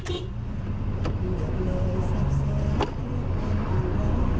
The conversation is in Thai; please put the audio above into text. มา